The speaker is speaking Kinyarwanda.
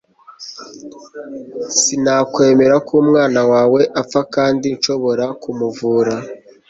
sinakwemera ko umwana wawe apfa kandi nshobora kumuvura